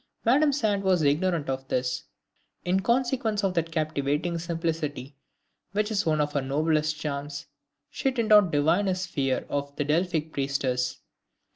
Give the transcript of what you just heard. Madame Sand was ignorant of this. In consequence of that captivating simplicity, which is one of her noblest charms, she did not divine his fear of the Delphic priestess.